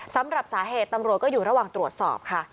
สำหรับสาเหตุตำรวจก็อยู่ระหว่างตรวจสอบค่ะ